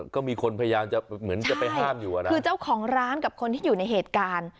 ก็มีคนพยายามจะเหมือนจะไปห้ามอยู่อ่ะนะคือเจ้าของร้านกับคนที่อยู่ในเหตุการณ์